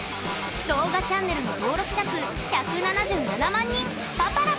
動画チャンネルの登録者数１７７万人！